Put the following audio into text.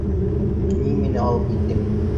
Ни мине алып киттең.